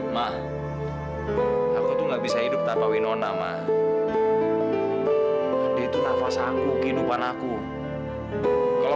mak aku tuh nggak bisa hidup tanpa winona mah itu nafas aku kehidupan aku kalau